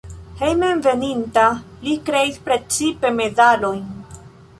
Hejmenveninta li kreis precipe medalojn.